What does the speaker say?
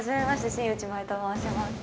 新内眞衣と申します。